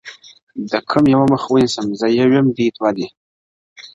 د كوم يوه مخ ونيســــم زه يــــو يــــم او دوى دوه دي~